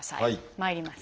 まいります。